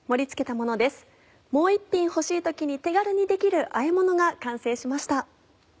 もう一品欲しい時に手軽にできるあえものが完成しました。